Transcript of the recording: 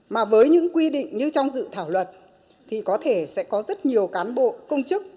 mà với những quy định như trong dự thảo luật thì có thể sẽ có rất nhiều cán bộ công chức